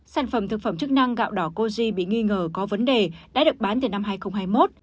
sản phẩm thực phẩm chức năng gạo đỏ koji bị nghi ngờ có vấn đề đã được bán từ năm hai nghìn hai mươi một